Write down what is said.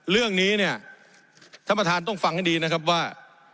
เรื่องนี้เนี่ยท่านประธานต้องฟังให้ดีนะครับว่า